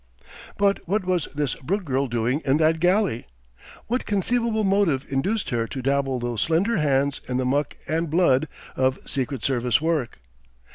But what was this Brooke girl doing in that galley? What conceivable motive induced her to dabble those slender hands in the muck and blood of Secret Service work?